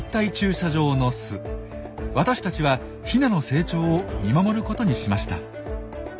私たちはヒナの成長を見守ることにしました。